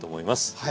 はい。